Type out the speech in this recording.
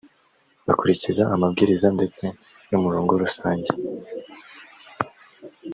bakurikiza amabwiriza ndetse n’umurongo rusange